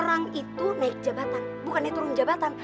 orang itu naik jabatan bukannya turun jabatan